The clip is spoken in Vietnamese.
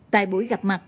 tại buổi gặp mặt